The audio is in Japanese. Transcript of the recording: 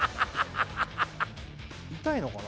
痛いのかな？